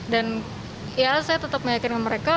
dan ya saya tetap meyakinkan mereka